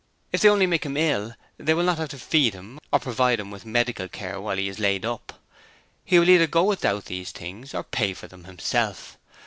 If they only make him ill, they will not have to feed him or provide him with medical care while he is laid up. He will either go without these things or pay for them himself.